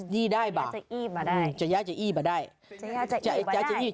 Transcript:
ยี่ได้บ่าจะอี้บ่าได้จะยะจะอี้บ่าได้จะยะจะอี้บ่าได้